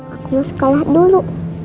aku mau sekolah dulu